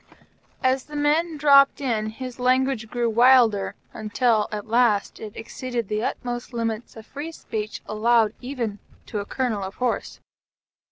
As the men dropped in, his language grew wilder, until at last it exceeded the utmost limits of free speech allowed even to a Colonel of Horse.